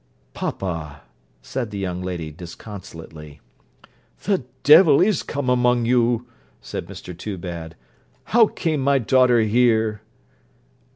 'Papa!' said the young lady disconsolately. 'The devil is come among you,' said Mr Toobad, 'how came my daughter here?'